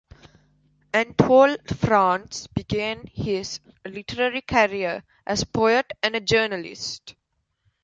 Anatole France began his literary career as a poet and a journalist.